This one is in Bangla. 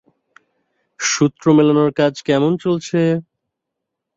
সূত্র মেলানোর কাজ কেমন চলছে?